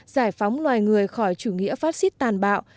giải phóng loài người khỏi chủ nghĩa phát xít tàn bạo